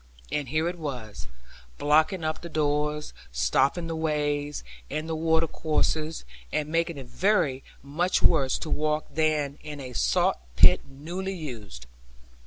And here it was, blocking up the doors, stopping the ways, and the water courses, and making it very much worse to walk than in a saw pit newly used.